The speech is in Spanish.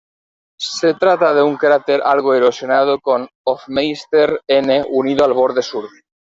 Se trata de un cráter algo erosionado, con "Hoffmeister N" unido al borde sur.